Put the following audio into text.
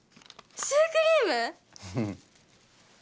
シュークリーム！？